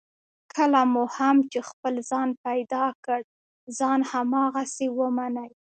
کله مو هم چې خپل ځان پیدا کړ، ځان هماغسې ومنئ.